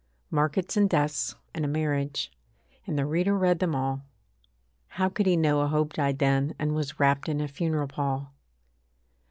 Markets and deaths and a marriage: And the reader read them all. How could he know a hope died then, And was wrapped in a funeral pall.